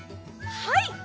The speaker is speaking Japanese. はい！